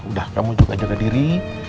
udah kamu juga jaga diri